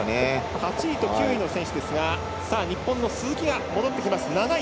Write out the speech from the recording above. ８位と９位の選手ですが日本の鈴木が７位で戻ってきます。